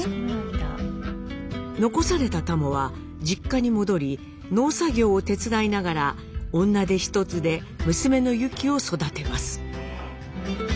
残されたタモは実家に戻り農作業を手伝いながら女手一つで娘のユキを育てます。